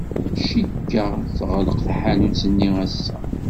Cikkeɣ teɣleq tḥanut-nni ass-a.